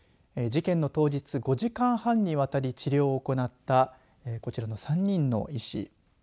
事件の当日５時間半にわたり治療を行ったこちらの３人の医師。